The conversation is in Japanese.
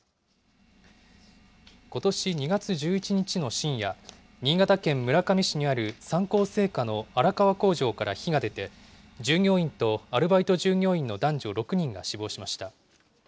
ことし２月１１日の深夜、新潟県村上市にある三幸製菓の荒川工場から火が出て、従業員とアルバイト従業員の男女６人が死亡しました。